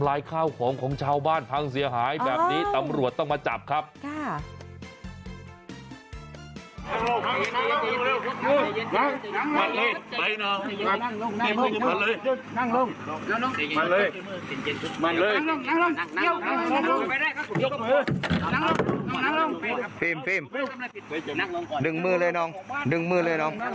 น่ากลัวผ้าของหมาจะหลุด